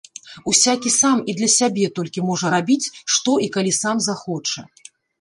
Усякі сам і для сябе толькі можа рабіць што і калі сам захоча.